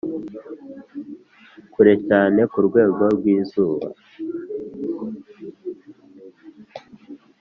kure cyane kurwego rwizuba